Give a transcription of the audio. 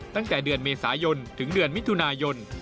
ตั้งแต่เดือนเมษายนถึงเดือนมิถุนายน